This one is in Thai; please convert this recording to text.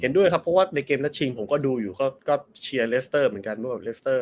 เห็นด้วยครับเพราะว่าในเกมแล้วชิมผมก็ดูอยู่ก็ชีอเลสเตอร์เหมือนกันว่า